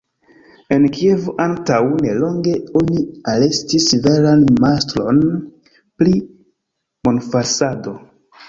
En Kievo antaŭ nelonge oni arestis veran majstron pri monfalsado.